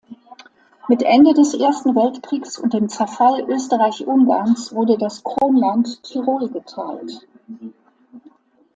Mit Ende des Ersten Weltkriegs und dem Zerfall Österreich-Ungarns wurde das Kronland Tirol geteilt.